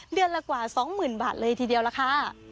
เดือนละกว่า๒๐๐๐บาทเลยทีเดียวล่ะค่ะ